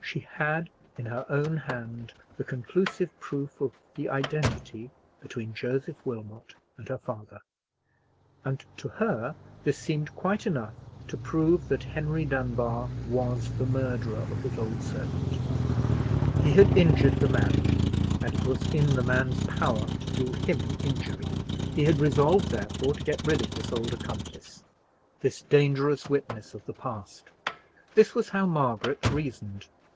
She had in her own hand the conclusive proof of the identity between Joseph Wilmot and her father; and to her this seemed quite enough to prove that Henry Dunbar was the murderer of his old servant. He had injured the man, and it was in the man's power to do him injury. He had resolved, therefore, to get rid of this old accomplice, this dangerous witness of the past. This was how Margaret reasoned.